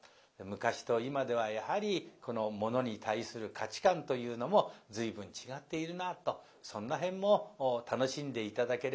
昔と今ではやはりものに対する価値観というのも随分違っているなあとそんな辺も楽しんで頂ければいいと思います。